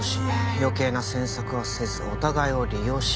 余計な詮索はせずお互いを利用しよう。